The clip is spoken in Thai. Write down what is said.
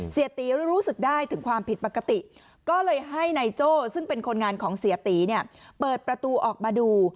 เสียตีรู้สึกได้ถึงความผิดปกติก็เลยให้นายโจ้ซึ่งเป็นคนงานของเสียตีเนี่ยเปิดประตูออกมาดู